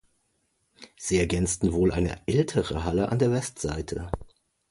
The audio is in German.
Sie ergänzten wohl eine ältere Halle an der Westseite.